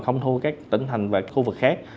không thu các tỉnh thành về khu vực khác